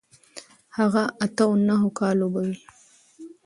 هغه اتو نهو کالو به و.